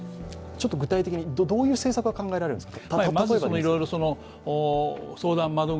具体的に、例えばどういう政策が考えられるんですか？